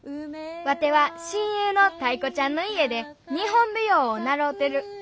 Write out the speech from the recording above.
ワテは親友のタイ子ちゃんの家で日本舞踊を習うてる。